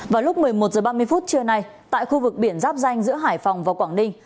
vào lúc một mươi một h ba mươi phút trưa nay tại khu vực biển giáp danh giữa hải phòng và quảng ninh